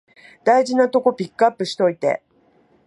大事なとこピックアップしといて